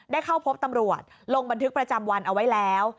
เข้าพบตำรวจลงบันทึกประจำวันเอาไว้แล้ว